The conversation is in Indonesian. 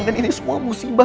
dan ini semua musibah